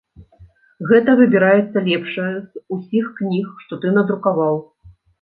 Гэта выбіраецца лепшае з усіх кніг, што ты надрукаваў.